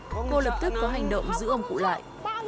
cô lập tức có hành động giữ ông cụ lại